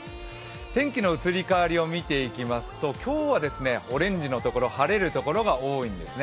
天気の移り変わりを見ていきますと今日はオレンジの所、晴れる所が多いんですね。